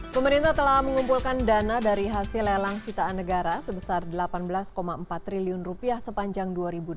pemerintah telah mengumpulkan dana dari hasil lelang sitaan negara sebesar rp delapan belas empat triliun rupiah sepanjang dua ribu delapan belas